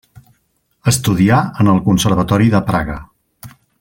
Estudià en el Conservatori de Praga.